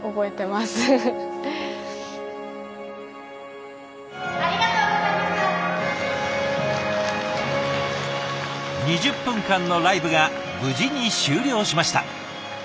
２０分間のライブが無事に終了しました。